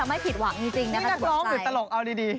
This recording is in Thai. มีแต่ทรงหรือตลกเอาดี